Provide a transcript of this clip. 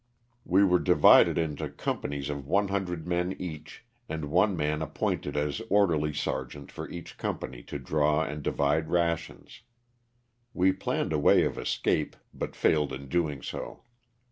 We were divided into companies of 100 men each, and one man appointed as orderly sergeant for each company to draw and divide rations. We planned a way of escape, but failed in doing so.